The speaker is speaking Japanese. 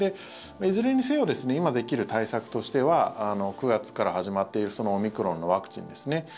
いずれにせよ今できる対策としては９月から始まっているオミクロンのワクチンですね。